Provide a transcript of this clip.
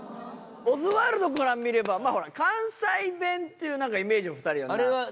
オズワルドから見れば、関西弁っていうイメージの２人だから。